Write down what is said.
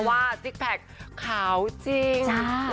ว่าจิ๊กแพ็คขาวจริง